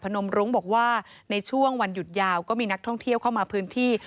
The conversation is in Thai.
นมรุ้งบอกว่าในช่วงวันหยุดยาวก็มีนักท่องเที่ยวเข้ามาพื้นที่